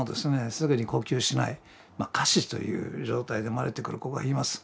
すぐに呼吸しない仮死という状態で生まれてくる子がいます。